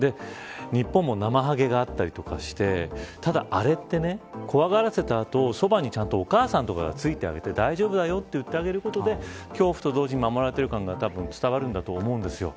日本もなまはげがあったりとかただあれって、怖がらせた後そばに、ちゃんとお母さんとかがついてあげてて大丈夫だよと言ってあげることで恐怖と同時に守られてる感が伝わると思います。